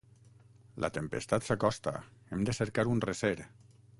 La tempestat s'acosta: hem de cercar un recer.